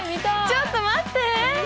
ちょっと待って。